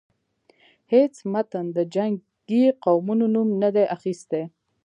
هیڅ متن د جنګی قومونو نوم نه دی اخیستی.